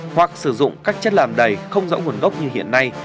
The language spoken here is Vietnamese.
hoặc sử dụng các chất làm đầy không rõ nguồn gốc như hiện nay